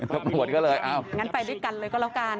ตำรวจก็เลยเอางั้นไปด้วยกันเลยก็แล้วกัน